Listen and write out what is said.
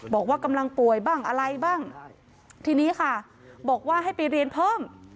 บอกว่ากำลังป่วยบ้างอะไรบ้างทีนี้ค่ะบอกว่าให้ไปเรียนเพิ่ม